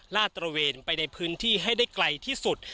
ลาดตระเวนไปในพื้นที่ให้ได้ไกลที่สุด